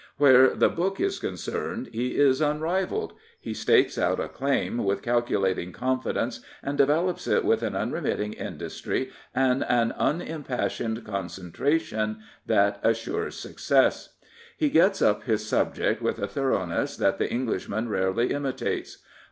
Where the " book " is concerned, he is unrivalled. He stakes out a " claim " with calculating confidence, and develops it with an unremitting industry and an unimpassioned concentration that assure success. He gets up his subject with a thoroughness that the Englishman rarely imitates.